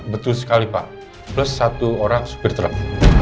betul sekali pak plus satu orang supir truk